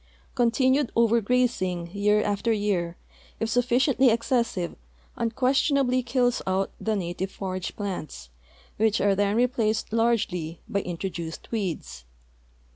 Continued over grazing year after year, if sufliciently excessive, unquestion ably kills out the native forage plants, Avhich are then replaced largely by introduced weeds.